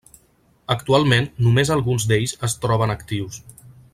Actualment només alguns d'ells es troben actius.